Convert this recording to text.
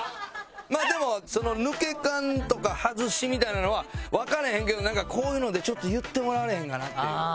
でも「抜け感」とか「ハズし」みたいなのはわかれへんけどこういうので言ってもらわれへんかなって。